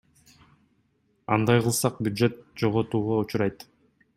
Андай кылсак бюджет жоготууга учурайт.